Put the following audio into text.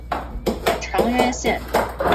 长渊线